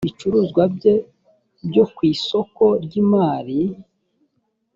ashyira ibicuruzwa bye byo ku isoko ry imari